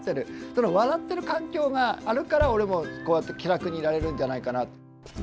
その笑ってる環境があるから俺もこうやって気楽にいられるんじゃないかな。